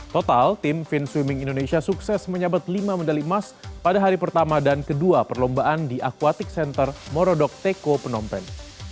total tim fin swimming indonesia sukses menyabat lima medali emas pada hari pertama dan kedua perlombaan di aquatic center morodok teko penompen